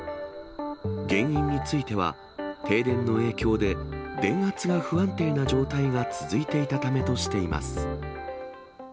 原因については、停電の影響で電圧が不安定な状態が続いていたためとしています。